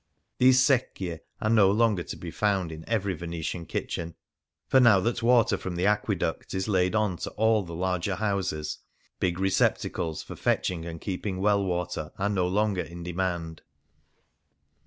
These secchie are no longer to be found "n every Venetian kitchen, for now 143 Things Seen in Venice that water from the aqueduct is laid on to ali the larger houses, big receptacles for fetch ing and keeping well water are no longer in demand.